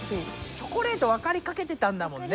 チョコレートわかりかけてたんだもんね。